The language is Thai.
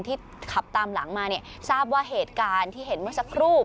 ขับตามหลังมาเนี่ยทราบว่าเหตุการณ์ที่เห็นเมื่อสักครู่